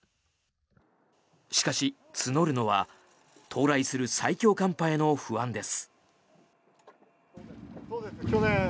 しかし、募るのは到来する最強寒波への不安です。